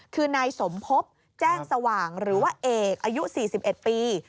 คือนายสมพบแจ้งสว่างหรือว่าเอกอายุ๔๑ปี